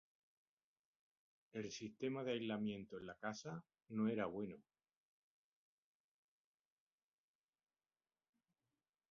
El sistema de aislamiento en la casa no era bueno.